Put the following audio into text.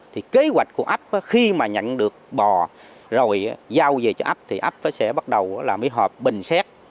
thì kế hoạch của ấp khi mà nhận được bò rồi giao về cho ấp thì ấp sẽ bắt đầu làm cái hộp bình xét